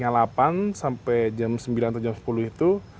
jam delapan sampai jam sembilan atau jam sepuluh itu